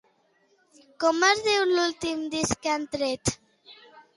Com es diu l'últim disc que han tret?